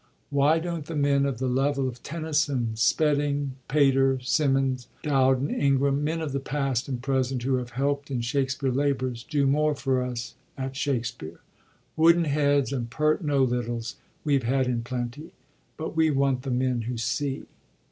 Why don't the men of the level of Tennyson, Spedding, Pater, Symonds, Dowden, Ingram— men of the past and present who have helpt in Shakspere labors,— do more for us at Shak spere? Wooden heads, and pert know littles, .we 've had in plenty. But we want the men who see.